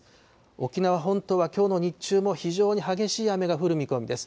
沖縄本島はきょうの日中も非常に激しい雨が降る見込みです。